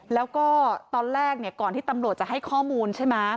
แล้วก็ตอนแรกก่อนที่ตำรวจจะให้ข้อมูลใช่ไหม